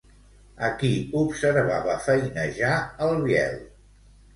A qui observava feinejar, el Biel?